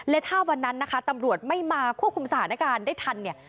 และถ้าวันนั้นนะคะตำรวจไม่มาควบคุมสถานการณ์ได้ทันเนี่ย